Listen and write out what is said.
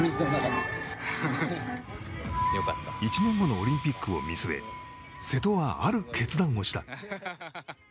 １年後のオリンピックを見据え瀬戸は、ある決断をした。